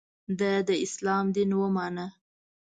د ه داسلام دین ومانه.